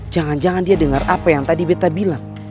jangan jangan dia dengar apa yang tadi beta bilang